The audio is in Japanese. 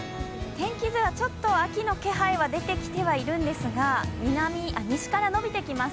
天気図はちょっと秋の気配は出てきてはいるんですが、西からのびてきます